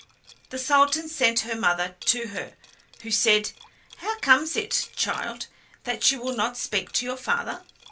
The Sultan sent her mother to her, who said: "How comes it, child, that you will not speak to your father?